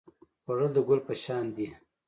خوړل د ګل پر شان دی